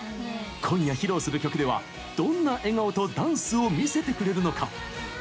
今夜、披露する曲ではどんな笑顔とダンスを見せてくれるのか？